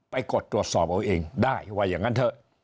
กดตรวจสอบเอาเองได้ว่าอย่างนั้นเถอะ